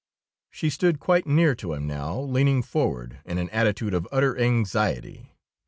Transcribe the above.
She stood quite near to him now, leaning forward in an attitude of utter anxiety.